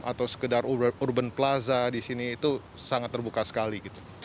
atau sekedar urban plaza di sini itu sangat terbuka sekali